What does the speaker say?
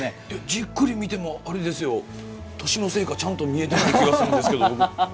じっくり見てもあれですよ年のせいかちゃんと見えてない気がするんですけど僕。